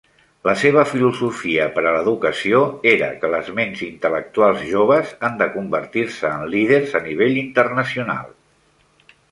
La seva filosofia per a l'educació era que les ments intel·lectuals joves han de convertir-se en líders a nivell internacional.